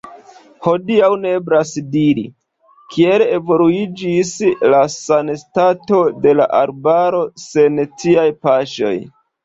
Hodiaŭ ne eblas diri, kiel evoluiĝis la sanstato de la arbaro sen tiaj paŝoj.